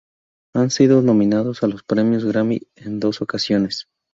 Han sido nominados a los Premio Grammy en dos ocasiones.